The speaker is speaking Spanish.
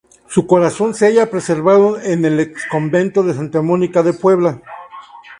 Su corazón se halla preservado en el exconvento de Santa Mónica de Puebla.